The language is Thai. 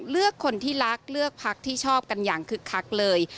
เลือกคนที่รักเลือกพักที่ชอบกันอย่างคึกคักเลย